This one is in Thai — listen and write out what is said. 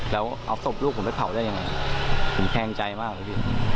แล้วเอาศพลูกผมไปเผาได้ยังไงผมแคลงใจมากเลยพี่